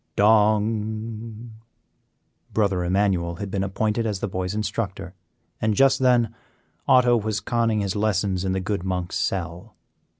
dong! Brother Emmanuel had been appointed as the boy's instructor, and just then Otto was conning his lessons in the good monk's cell.